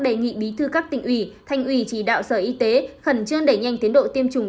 đề nghị bí thư các tỉnh ủy thành ủy chỉ đạo sở y tế khẩn trương đẩy nhanh tiến độ tiêm chủng